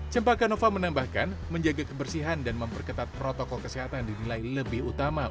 cempaka nova menambahkan menjaga kebersihan dan memperketat protokol kesehatan di dunia